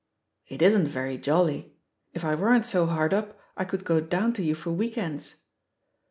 "It isn't very jolly. If I weren't so hard up I could go down to you for week ends."